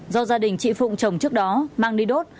do gia đình chị phụng chồng trước đó mang đi đốt